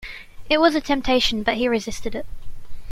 It was a temptation, but he resisted it.